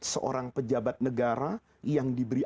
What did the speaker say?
seorang pejabat negara yang diberi